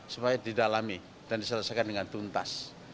supaya didalami dan diselesaikan dengan tuntas